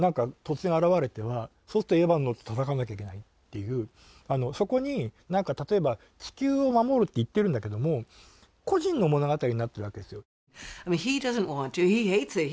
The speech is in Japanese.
そうするとエヴァに乗って戦わなきゃいけないっていうそこに何か例えば地球を守るって言ってるんだけども個人の物語になってるわけですよ。